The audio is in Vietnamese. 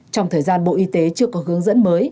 trong thời gian bộ y tế chưa có hướng dẫn mới